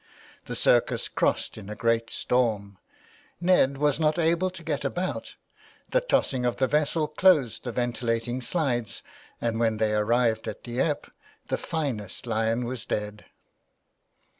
The circus crossed in a great storm ; Ned was not able to get about, the tossing of the vessel closed the ventilating slides, and when they arrived at Dieppe the finest lion was dead.